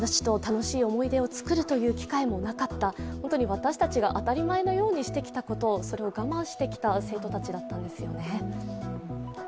私たちが当たり前のようにしてきたこと、それを我慢してきた生徒たちだったんですよね。